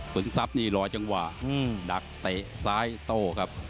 ทรัพย์นี่รอจังหวะดักเตะซ้ายโต้ครับ